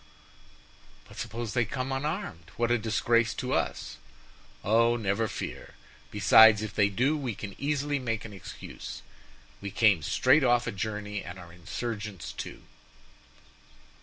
"But suppose they come unarmed? What a disgrace to us." "Oh, never fear! besides, if they do, we can easily make an excuse; we came straight off a journey and are insurgents, too."